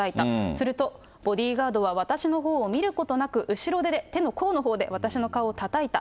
するとボディーガードは、私のほうを見ることなく、後ろ手で、手の甲のほうで私の顔をたたいた。